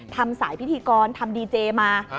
ทำสายพิธีกรทำดีเจมา